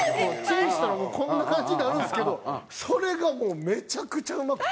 チンしたらもうこんな感じになるんですけどそれがもうめちゃくちゃうまくて。